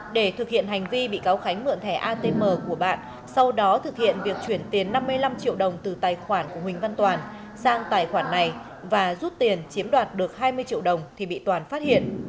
để thực hiện hành vi bị cáo khánh mượn thẻ atm của bạn sau đó thực hiện việc chuyển tiền năm mươi năm triệu đồng từ tài khoản của huỳnh văn toàn sang tài khoản này và rút tiền chiếm đoạt được hai mươi triệu đồng thì bị toàn phát hiện